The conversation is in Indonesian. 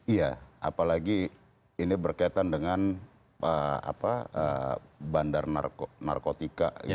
iya apalagi ini berkaitan dengan bandar narkotika